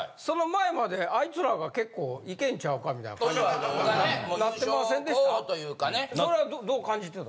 その前まであいつらが結構いけんちゃうかみたいな感じ。